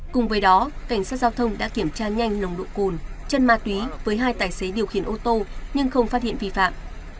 cùng với đó cảnh sát giao thông đã kiểm tra nhanh nồng độ cồn chân ma túy với hai tài xế điều khiển ô tô nhưng không phát hiện vi phạm